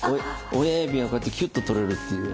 親指がこうやってキュッと取れるっていう。